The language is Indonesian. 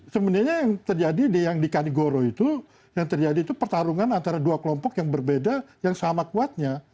sebenarnya yang terjadi yang di kanigoro itu yang terjadi itu pertarungan antara dua kelompok yang berbeda yang sama kuatnya